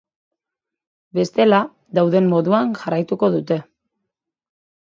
Bestela, dauden moduan jarraituko dute.